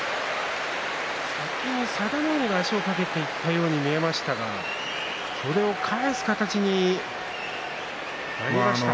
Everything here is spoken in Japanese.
先に佐田の海が、足を掛けていたように見えましたがそれを返す形になりました。